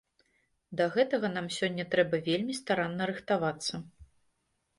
Да гэтага нам сёння трэба вельмі старанна рыхтавацца.